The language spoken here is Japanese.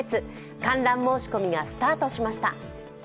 観覧申し込みがスタートしました。